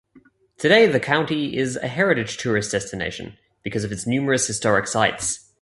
Today, the county is a heritage tourist destination, because of its numerous historic sites.